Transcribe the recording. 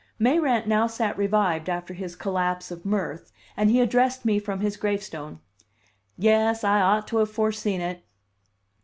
Mayrant now sat revived after his collapse of mirth, and he addressed me from his gravestone. "Yes, I ought to have foreseen it."